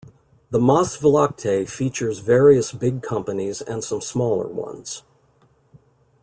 The Maasvlakte features various big companies and some smaller ones.